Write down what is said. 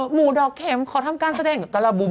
หมู่ดอกเข็มขอทำการแสดงกับกัลลาบุ้ม